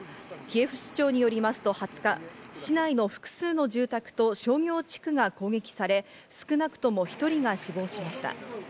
キエフ市長によりますと２０日、市内の複数の住宅と商業地区が攻撃され、少なくとも１人が死亡しました。